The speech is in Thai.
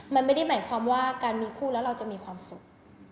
มันไม่ได้หมายความว่าการมีคู่แล้วเราจะมีความสุข